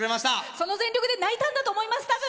その全力で泣いたんだと思います。